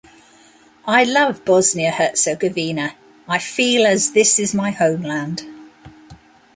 I love Bosnia-Herzegovina, I feel as this is my homeland.